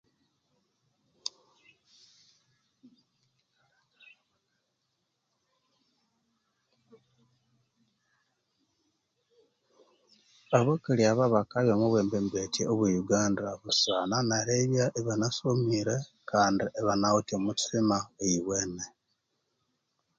Abakali aba bakalema obwembembetya obwe yuganda kusangwa neribya ibanasomire Kandi ibanawithe omuthima owuwene